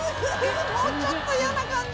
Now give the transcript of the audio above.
もうちょっと嫌な感じ！